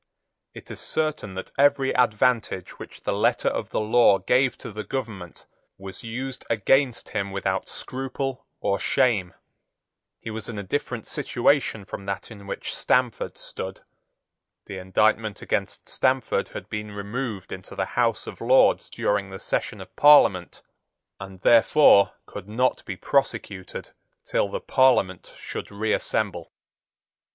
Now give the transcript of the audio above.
It is certain that every advantage which the letter of the law gave to the government was used against him without scruple or shame. He was in a different situation from that in which Stamford stood. The indictment against Stamford had been removed into the House of Lords during the session of Parliament, and therefore could not be prosecuted till the Parliament should reassemble.